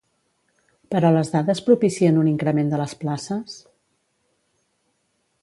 Però les dades propicien un increment de les places?